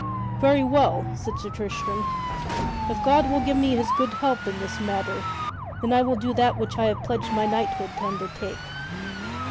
"Very well," said Sir Tristram, "if God will give me His good help in this matter, then I will do that which I have pledged my knighthood to undertake."